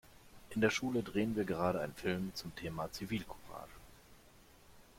In der Schule drehen wir gerade einen Film zum Thema Zivilcourage.